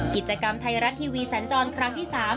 กิจกรรมไทยรัฐทีวีสันจรครั้งที่๓